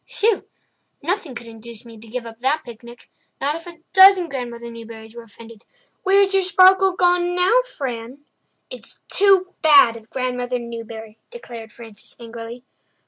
"Whew! Nothing could induce me to give up that picnic—not if a dozen Grandmother Newburys were offended. Where's your sparkle gone now, Fran?" "It's too bad of Grandmother Newbury," declared Frances angrily.